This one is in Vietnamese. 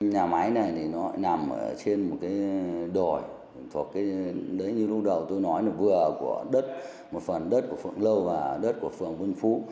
nhà máy này thì nó nằm trên một cái đồi đối với như lúc đầu tôi nói là vừa của đất một phần đất của phượng lâu và đất của phượng vân phú